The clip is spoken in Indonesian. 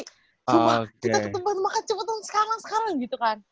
cuma kita ke tempat makan cepetan sekarang sekarang gitu kan